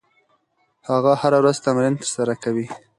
هغه هره ورځ تمرین ترسره کوي.